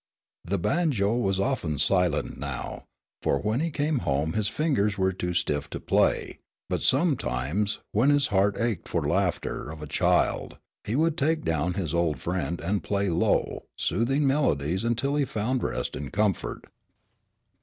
The banjo was often silent now, for when he came home his fingers were too stiff to play; but sometimes, when his heart ached for the laughter of a child, he would take down his old friend and play low, soothing melodies until he found rest and comfort.